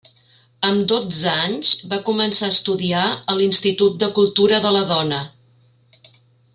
Amb dotze anys va començar a estudiar a l'Institut de Cultura de la Dona.